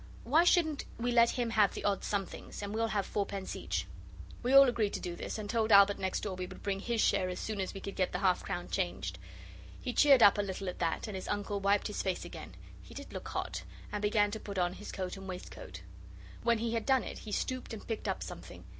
Why shouldn't we let him have the odd somethings, and we'll have fourpence each.' We all agreed to do this, and told Albert next door we would bring his share as soon as we could get the half crown changed. He cheered up a little at that, and his uncle wiped his face again he did look hot and began to put on his coat and waistcoat. When he had done it he stooped and picked up something.